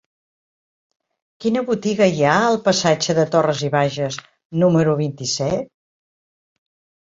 Quina botiga hi ha al passatge de Torras i Bages número vint-i-set?